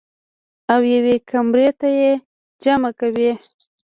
او يوې کمرې ته ئې جمع کوي -